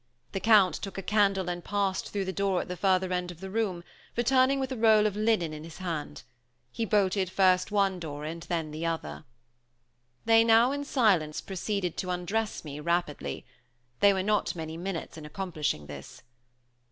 The Count took a candle and passed through the door at the further end of the room, returning with a roll of linen in his hand. He bolted first one door then the other. They now, in silence, proceeded to undress me rapidly. They were not many minutes in accomplishing this.